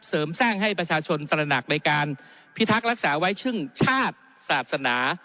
เสริมสร้างให้ประชาชนตระหนักในการพิทักษ์รักษาไว้ซึ่งชาติศาสนา